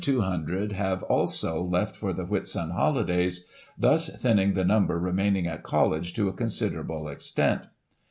Between 100 and 200 have, also, left for the Whitsun holidays; thus thinning the number remaining at College to a considerable extent.